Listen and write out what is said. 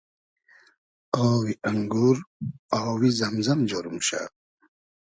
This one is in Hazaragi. آوی انگور آوی زئم زئم جۉر موشۂ